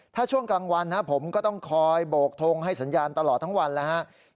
ถ้าช่วงกลางวันผมก็ต้องคอยโบกทงให้สัญญาณตลอดทั้งวันแล้วครับ